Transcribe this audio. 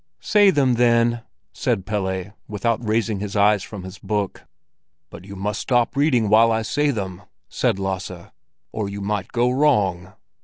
"Say them, then!" said Pelle, without raising his eyes from his book. "But you must stop reading while I say them," said Lasse, "or you might go wrong."